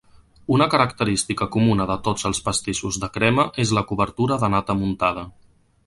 Una característica comuna de tots els pastissos de crema és la cobertura de nata muntada.